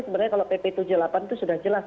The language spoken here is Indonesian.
sebenarnya kalau pp tujuh puluh delapan itu sudah jelas